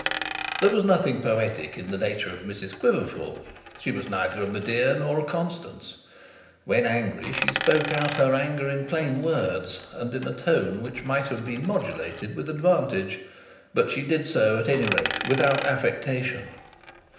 There was nothing poetic in the nature of Mrs Quiverful. She was neither a Medea nor a Constance. When angry, she spoke out her anger in plain words, and in a tone which might have been modulated with advantage; but she did so, at any rate, without affectation.